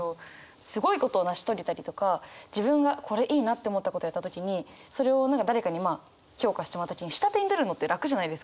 すごいことを成し遂げたりとか自分がこれいいなって思ったことをやった時にそれを誰かにまあ評価してもらう時に下手に出るのって楽じゃないですか。